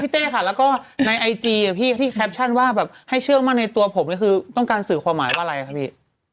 เต้ค่ะแล้วก็ในไอจีพี่ที่แคปชั่นว่าแบบให้เชื่อมั่นในตัวผมนี่คือต้องการสื่อความหมายว่าอะไรครับพี่